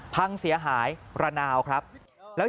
พรั่งเสียหายระนาว